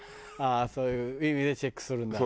ああそういう意味でチェックするんだ。